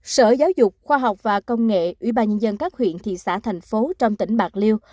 sở giáo dục khoa học và công nghệ ủy ban nhân dân các huyện thị xã thành phố trong tỉnh bạc liêu